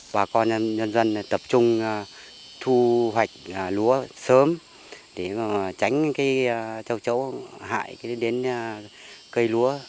bà con nhân dân tập trung thu hoạch lúa sớm để tránh trâu trấu hại đến cây lúa